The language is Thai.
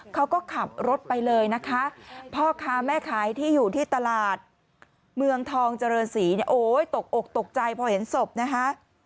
เขาก็ขับรถไปเลยนะคะพ่อค้าแม่ขายที่อยู่ที่ตลาดเมืองทองเจริญศรีเนี่ยโอ้ยตกอกตกใจพอเห็นศพนะคะ